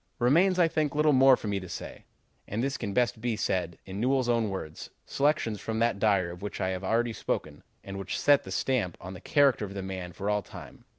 "Remains, I think, little more for me to say, and this can best be said in Newell's own words, selections from that diary of which I have already spoken, and which set the stamp on the character of the man for all time.